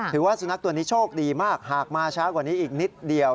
ถือว่าสุนัขตัวนี้โชคดีมากหากมาช้ากว่านี้อีกนิดเดียว